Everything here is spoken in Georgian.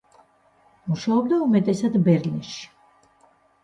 მუშაობდა უმეტესად ბერლინში.